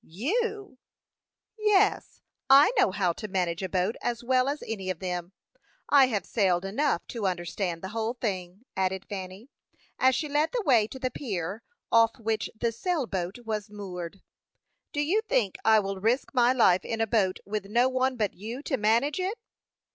"You?" "Yes; I know how to manage a boat as well as any of them. I have sailed enough to understand the whole thing," added Fanny, as she led the way to the pier, off which the sail boat was moored. "Do you think I will risk my life in a boat with no one but you to manage it?"